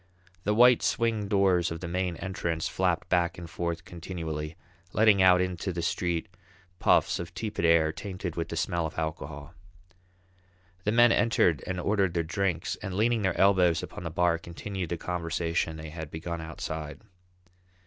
The white swing doors of the main entrance flapped back and forth continually, letting out into the street puffs of tepid air tainted with the smell of alcohol. The men entered and ordered their drinks, and leaning their elbows upon the bar continued the conversation they had begun outside.